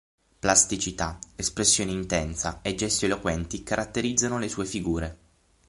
Plasticità, espressione intensa e gesti eloquenti caratterizzano le sue figure.